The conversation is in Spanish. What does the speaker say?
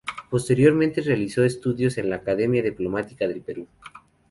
Posteriormente, realizó estudios en la Academia Diplomática del Perú.